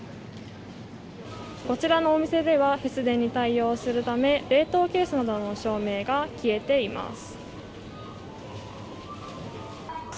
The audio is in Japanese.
こちらのお店では節電に対応するため冷凍棚などの照明が消えています。